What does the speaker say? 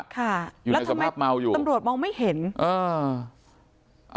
ค่ะอยู่ในสภาพเมาอยู่แล้วทำรวจมองไม่เห็นเออ